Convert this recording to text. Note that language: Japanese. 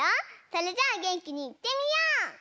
それじゃあげんきにいってみよう！